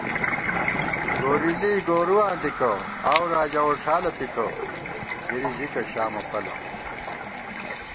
گورېلی گورُواں دِکہ ، آؤو راجا ووڄالہ پِکہ گِری ژِکہ شامہ پَلہ